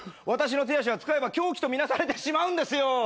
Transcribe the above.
私の手足は使えば凶器と見なされてしまうんですよ。